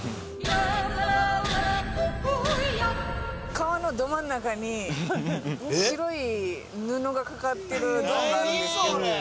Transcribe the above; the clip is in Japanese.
川のど真ん中に白い布がかかってるゾーンがあるんですけど